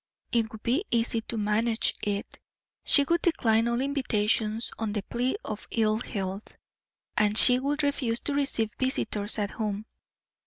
It would be easy to manage it; she would decline all invitations on the plea of ill health, and she would refuse to receive visitors at home.